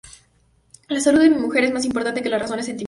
La salud de mi mujer es más importante que las razones sentimentales.